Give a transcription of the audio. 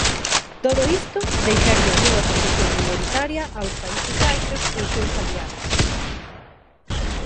Todo isto deixaría nunha posición minoritaria aos Países Baixos e os seus aliados.